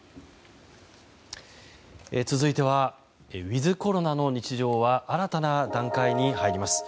続いてはウィズコロナの日常は新たな段階に入ります。